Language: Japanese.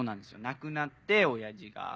亡くなって親父が。